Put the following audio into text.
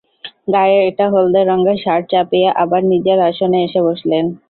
গায়ে একটা হলদে রঙা শার্ট চাপিয়ে আবার নিজের আসনে এসে বসলেন।